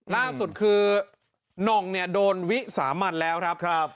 ล่าสุดคือน่องเนี่ยโดนวิสามันแล้วครับ